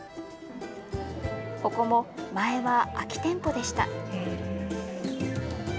ここも前は空き店舗でした。